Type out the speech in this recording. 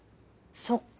そっか！